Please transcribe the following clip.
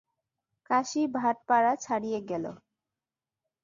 কাশী-ভাটপাড়া ছাড়িয়ে গেলে!